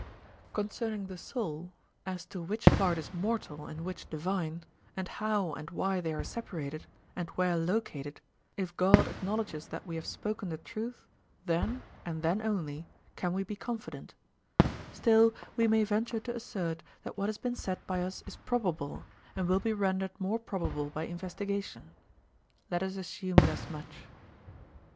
Concerning the soul, as to which part is mortal and which divine, and how and why they are separated, and where located, if God acknowledges that we have spoken the truth, then, and then only, can we be confident; still, we may venture to assert that what has been said by us is probable, and will be rendered more probable by investigation. Let us assume thus much.